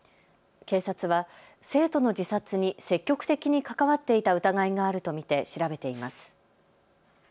警察は生徒の自殺に積極的に関わっていた疑いがあると見て調べています。